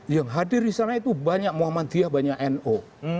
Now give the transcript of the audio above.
yang hadir di sana itu banyak muhammadiyah banyak no